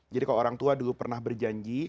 jadi kalau orang tua dulu pernah berjanji